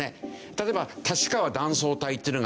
例えば立川断層帯っていうのがあります。